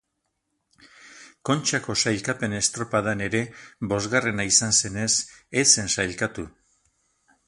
Kontxako sailkapen estropadan ere bosgarrena izan zenez ez zen sailkatu.